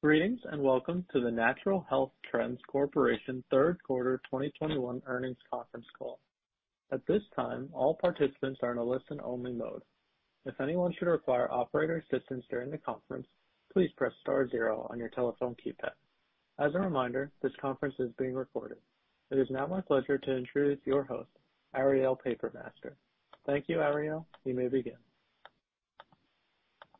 Greetings, and welcome to the Natural Health Trends Corporation third quarter 2021 earnings conference call. At this time, all participants are in a listen-only mode. If anyone should require operator assistance during the conference, please press star zero on your telephone keypad. As a reminder, this conference is being recorded. It is now my pleasure to introduce your host, Ariel Papermaster. Thank you, Ariel. You may begin.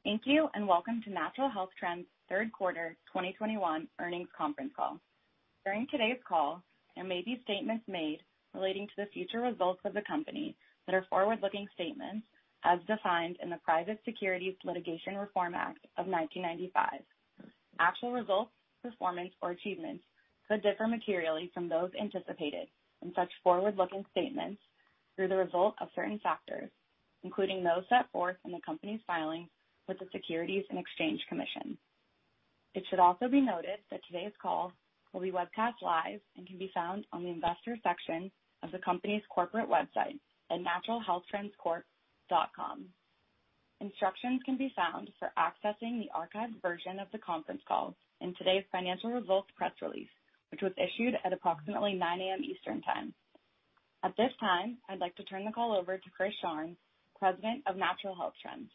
Thank you, and welcome to Natural Health Trends third quarter 2021 earnings conference call. During today's call, there may be statements made relating to the future results of the company that are forward-looking statements as defined in the Private Securities Litigation Reform Act of 1995. Actual results, performance, or achievements could differ materially from those anticipated in such forward-looking statements through the result of certain factors, including those set forth in the company's filings with the Securities and Exchange Commission. It should also be noted that today's call will be webcast live and can be found on the investors section of the company's corporate website at naturalhealthtrendscorp.com. Instructions can be found for accessing the archived version of the conference call in today's financial results press release, which was issued at approximately 9:00 A.M. Eastern Time. At this time, I'd like to turn the call over to Chris Sharng, President of Natural Health Trends.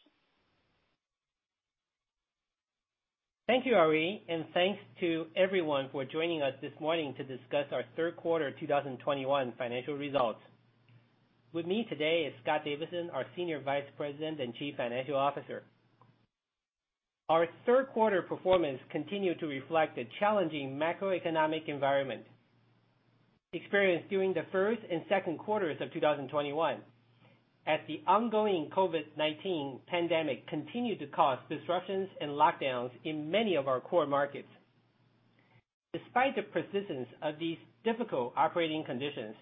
Thank you, Ariel, and thanks to everyone for joining us this morning to discuss our third quarter 2021 financial results. With me today is Scott Davidson, our Senior Vice President and Chief Financial Officer. Our third quarter performance continued to reflect the challenging macroeconomic environment experienced during the first and second quarters of 2021 as the ongoing COVID-19 pandemic continued to cause disruptions and lockdowns in many of our core markets. Despite the persistence of these difficult operating conditions,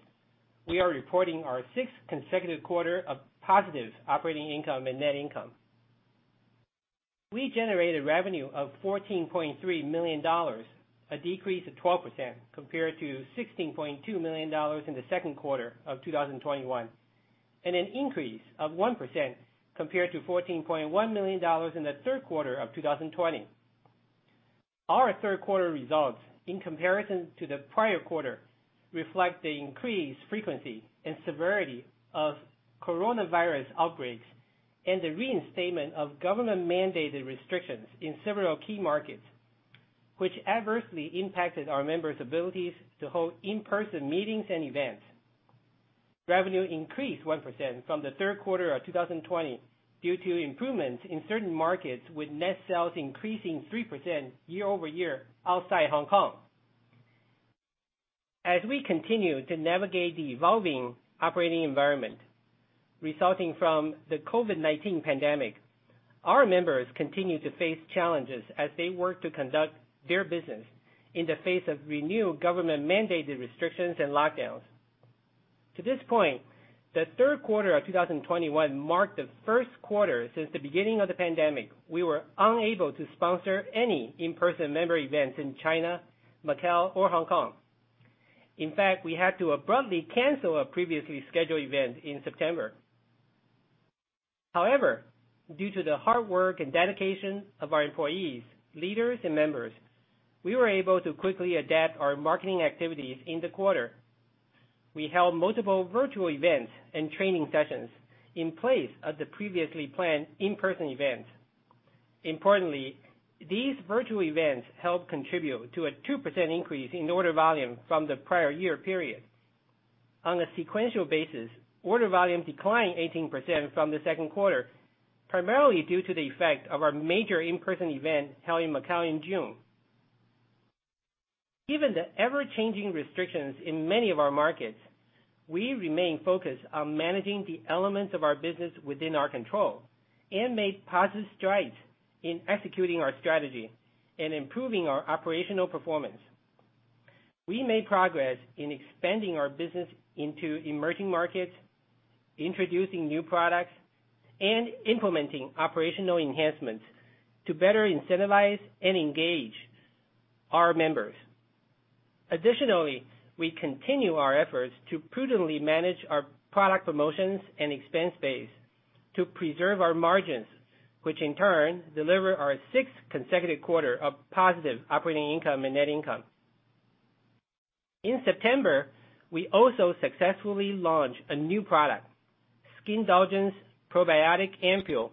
we are reporting our sixth consecutive quarter of positive operating income and net income. We generated revenue of $14.3 million, a decrease of 12% compared to $16.2 million in the second quarter of 2021, and an increase of 1% compared to $14.1 million in the third quarter of 2020. Our third quarter results in comparison to the prior quarter reflect the increased frequency and severity of coronavirus outbreaks and the reinstatement of government-mandated restrictions in several key markets, which adversely impacted our members' abilities to hold in-person meetings and events. Revenue increased 1% from the third quarter of 2020 due to improvements in certain markets with net sales increasing 3% year-over-year outside Hong Kong. We continue to navigate the evolving operating environment resulting from the COVID-19 pandemic, our members continue to face challenges as they work to conduct their business in the face of renewed government-mandated restrictions and lockdowns. To this point, the third quarter of 2021 marked the first quarter since the beginning of the pandemic we were unable to sponsor any in-person member events in China, Macau, or Hong Kong. In fact, we had to abruptly cancel a previously scheduled event in September. However, due to the hard work and dedication of our employees, leaders, and members, we were able to quickly adapt our marketing activities in the quarter. We held multiple virtual events and training sessions in place of the previously planned in-person events. Importantly, these virtual events helped contribute to a 2% increase in order volume from the prior year period. On a sequential basis, order volume declined 18% from the second quarter, primarily due to the effect of our major in-person event held in Macau in June. Given the ever-changing restrictions in many of our markets, we remain focused on managing the elements of our business within our control and made positive strides in executing our strategy and improving our operational performance. We made progress in expanding our business into emerging markets, introducing new products, and implementing operational enhancements to better incentivize and engage our members. Additionally, we continue our efforts to prudently manage our product promotions and expense base to preserve our margins, which in turn deliver our sixth consecutive quarter of positive operating income and net income. In September, we also successfully launched a new product, Skin Indulgence Probiotic Ampoule,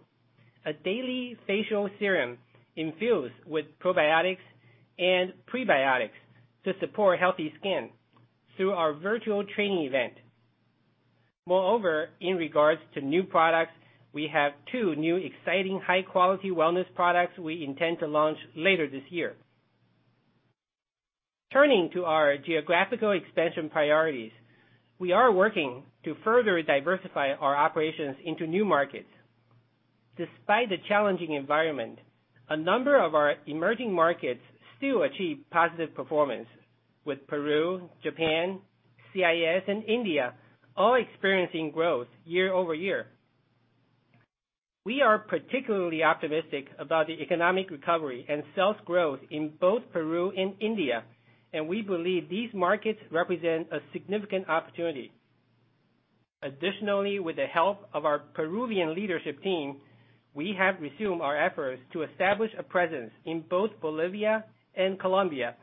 a daily facial serum infused with probiotics and prebiotics to support healthy skin through our virtual training event. Moreover, in regards to new products, we have two new exciting high-quality wellness products we intend to launch later this year. Turning to our geographical expansion priorities, we are working to further diversify our operations into new markets. Despite the challenging environment, a number of our emerging markets still achieve positive performance, with Peru, Japan, CIS, and India all experiencing growth year-over-year. We are particularly optimistic about the economic recovery and sales growth in both Peru and India, and we believe these markets represent a significant opportunity. Additionally, with the help of our Peruvian leadership team, we have resumed our efforts to establish a presence in both Bolivia and Colombia,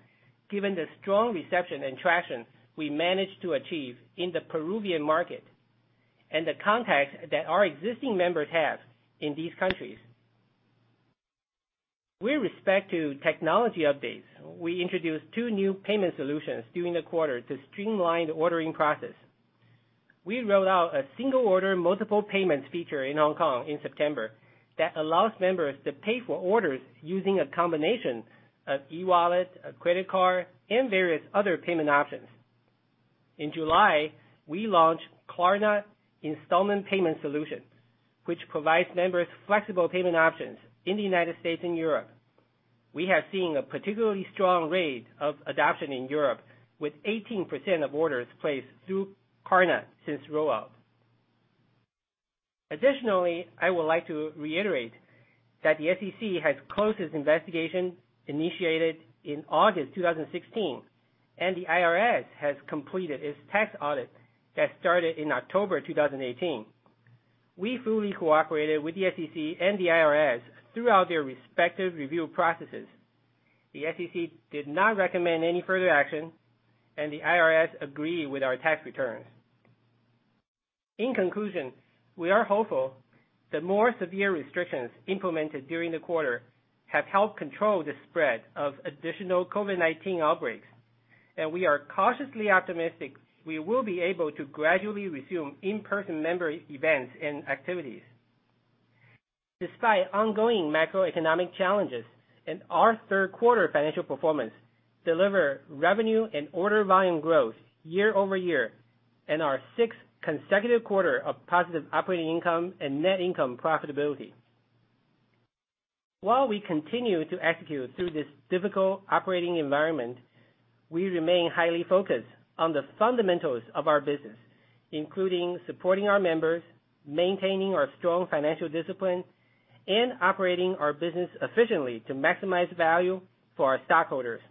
given the strong reception and traction we managed to achieve in the Peruvian market and the contacts that our existing members have in these countries. With respect to technology updates, we introduced two new payment solutions during the quarter to streamline the ordering process. We rolled out a single order, multiple payments feature in Hong Kong in September that allows members to pay for orders using a combination of eWallet, a credit card, and various other payment options. In July, we launched Klarna installment payment solutions, which provides members flexible payment options in the United States and Europe. We have seen a particularly strong rate of adoption in Europe, with 18% of orders placed through Klarna since rollout. Additionally, I would like to reiterate that the SEC has closed its investigation initiated in August 2016, and the IRS has completed its tax audit that started in October 2018. We fully cooperated with the SEC and the IRS throughout their respective review processes. The SEC did not recommend any further action, and the IRS agreed with our tax returns. In conclusion, we are hopeful that more severe restrictions implemented during the quarter have helped control the spread of additional COVID-19 outbreaks, and we are cautiously optimistic we will be able to gradually resume in-person member events and activities. Despite ongoing macroeconomic challenges, our third quarter financial performance delivered revenue and order volume growth year-over-year and our sixth consecutive quarter of positive operating income and net income profitability. While we continue to execute through this difficult operating environment, we remain highly focused on the fundamentals of our business, including supporting our members, maintaining our strong financial discipline, and operating our business efficiently to maximize value for our stockholders.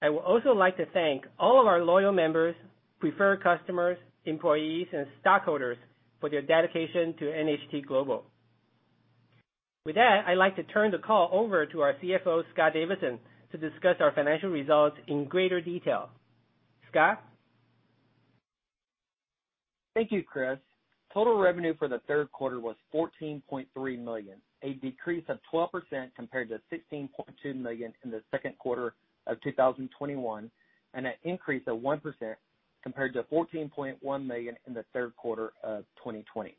I would also like to thank all of our loyal members, preferred customers, employees, and stockholders for their dedication to NHT Global. With that, I'd like to turn the call over to our CFO, Scott Davidson, to discuss our financial results in greater detail. Scott? Thank you, Chris. Total revenue for the third quarter was $14.3 million, a decrease of 12% compared to $16.2 million in the second quarter of 2021, and an increase of 1% compared to $14.1 million in the third quarter of 2020.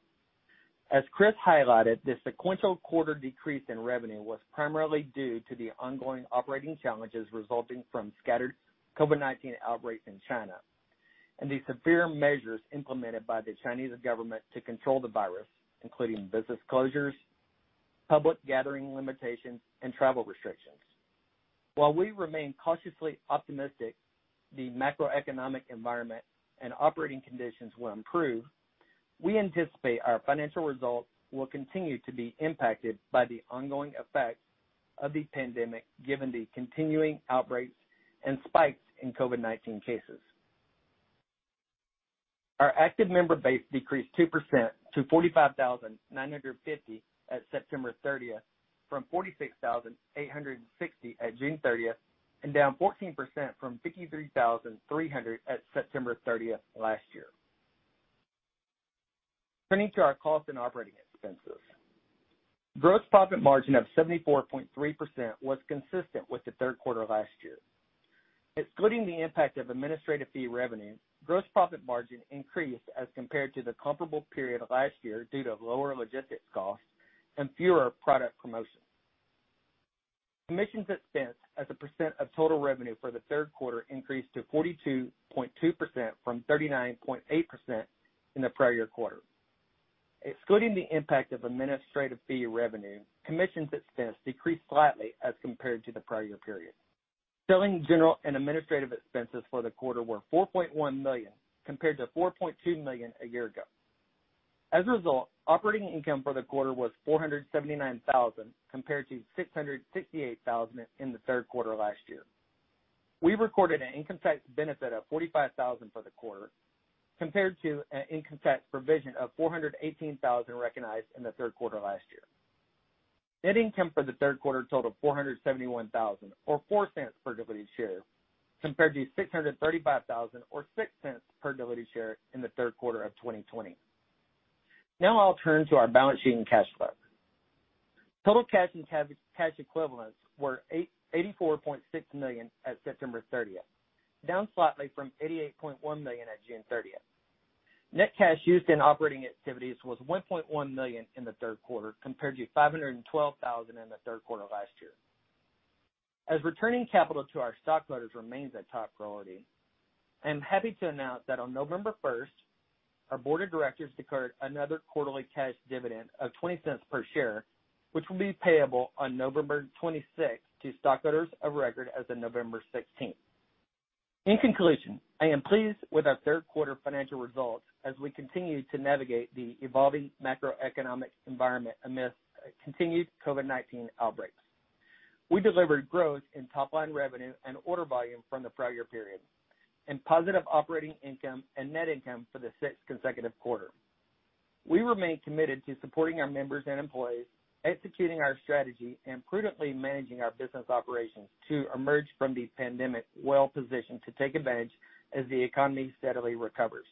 As Chris highlighted, the sequential quarter decrease in revenue was primarily due to the ongoing operating challenges resulting from scattered COVID-19 outbreaks in China. And the severe measures implemented by the Chinese government to control the virus, including business closures, public gathering limitations, and travel restrictions. While we remain cautiously optimistic the macroeconomic environment and operating conditions will improve, we anticipate our financial results will continue to be impacted by the ongoing effects of the pandemic, given the continuing outbreaks and spikes in COVID-19 cases. Our active member base decreased 2% to 45,950 at September 30, from 46,860 at June 30, and down 14% from 53,300 at September 30 last year. Turning to our cost and operating expenses. Gross profit margin of 74.3% was consistent with the third quarter of last year. Excluding the impact of administrative fee revenue, gross profit margin increased as compared to the comparable period of last year due to lower logistics costs and fewer product promotions. Commissions expense as a percent of total revenue for the third quarter increased to 42.2% from 39.8% in the prior quarter. Excluding the impact of administrative fee revenue, commissions expense decreased slightly as compared to the prior year period. Selling, general, and administrative expenses for the quarter were $4.1 million, compared to $4.2 million a year ago. As a result, operating income for the quarter was $479,000, compared to $668,000 in the third quarter last year. We recorded an income tax benefit of $45,000 for the quarter, compared to an income tax provision of $418,000 recognized in the third quarter last year. Net income for the third quarter totaled $471,000, or $0.04 per diluted share, compared to $635,000, or $0.06 per diluted share in the third quarter of 2020. Now I'll turn to our balance sheet and cash flow. Total cash and cash equivalents were $84.6 million at September 30, down slightly from $88.1 million at June 30. Net cash used in operating activities was $1.1 million in the third quarter, compared to $512,000 in the third quarter last year. Returning capital to our stockholders remains a top priority. I am happy to announce that on November 1, our board of directors declared another quarterly cash dividend of $0.20 per share, which will be payable on November 26 to stockholders of record as of November 16. In conclusion, I am pleased with our third quarter financial results as we continue to navigate the evolving macroeconomic environment amidst continued COVID-19 outbreaks. We delivered growth in top line revenue and order volume from the prior period and positive operating income and net income for the sixth consecutive quarter. We remain committed to supporting our members and employees, executing our strategy, and prudently managing our business operations to emerge from the pandemic well-positioned to take advantage as the economy steadily recovers.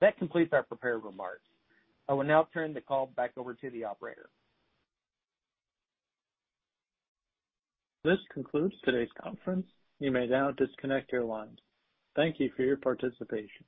That completes our prepared remarks. I will now turn the call back over to the operator. This concludes today's conference. You may now disconnect your lines. Thank you for your participation.